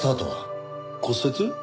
骨折？